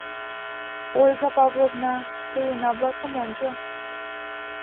— Ольга Павловна, тый уна-влакым ончо.